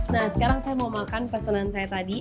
nah sekarang saya mau makan pesanan saya tadi